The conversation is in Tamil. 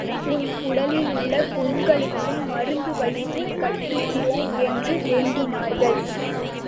உன் உடலிலுள்ள புண்களுக்கும் மருந்து வைத்துக் கட்டுகிறோம்! என்று வேண்டினார்கள்.